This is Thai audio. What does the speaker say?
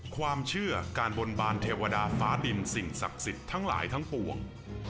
ความเชื่อการบนบานเทวดาฟ้าดินสิ่งศักดิ์สิทธิ์ทั้งหลายทั้งปวง